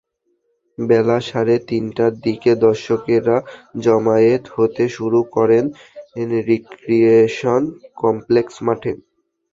বেলা সাড়ে তিনটার দিকে দর্শকেরা জমায়েত হতে শুরু করেন রিক্রিয়েশন কমপ্লেক্স মাঠে।